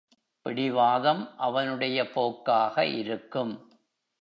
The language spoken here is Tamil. பிடிவாதம் அவனுடைய போக்காக இருக்கும்.